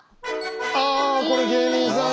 あこれ芸人さん